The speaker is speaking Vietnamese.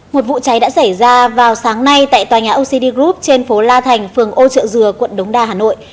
một vụ cháy đã xảy ra vào sáng nay tại tòa nhà ocd group trên phố la thành phường ô trợ dừa quận đống đa hà nội